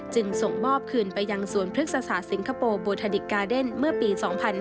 จึงส่งมอบคืนไปยังสวนพฤกษาสิงคโปร์โบทาดิกกาเดนเมื่อปี๒๕๕๙